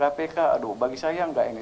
kpk aduh bagi saya enggak ini